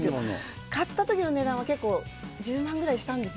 買ったときの値段は結構１０万ぐらいしたんですよ。